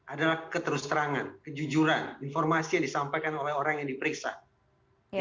adalah keterus terangan kejujuran informasi yang disampaikan oleh orang yang diperiksa